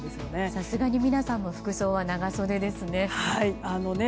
さすがに皆さんの服装は長袖ですね。